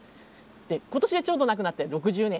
で今年でちょうど亡くなって６０年。